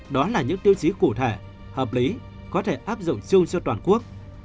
đó là những tiêu chí cụ thể hợp lý có thể áp dụng siêu cho toàn quốc